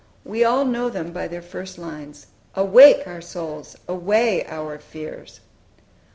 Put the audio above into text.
We all know them by their first lines, "Awake, our souls! away, our fears!"